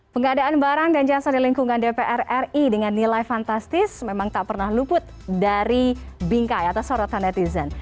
pengadaan barang dan jasa di lingkungan dpr ri dengan nilai fantastis memang tak pernah luput dari bingkai atas sorotan netizen